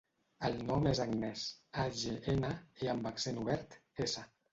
El nom és Agnès: a, ge, ena, e amb accent obert, essa.